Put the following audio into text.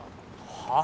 はあ？